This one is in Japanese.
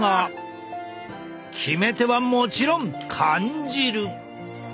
決め手はもちろん缶汁！